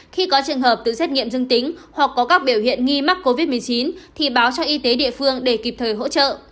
khi có trường hợp tự xét nghiệm dương tính hoặc có các biểu hiện nghi mắc covid một mươi chín thì báo cho y tế địa phương để kịp thời hỗ trợ